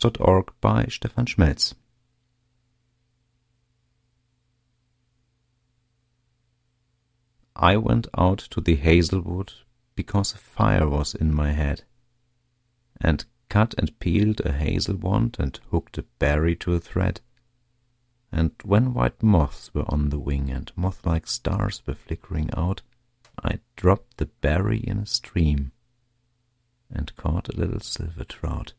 THE SONG OF WANDERING AENGUS I went out to the hazel wood, Because a fire was in my head, And cut and peeled a hazel wand, And hooked a berry to a thread; And when white moths were on the wing, And moth like stars were flickering out, I dropped the berry in a stream And caught a little silver trout.